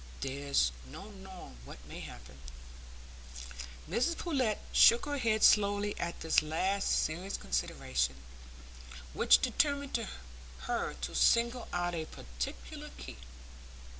There's no knowing what may happen." Mrs Pullet shook her head slowly at this last serious consideration, which determined her to single out a particular key.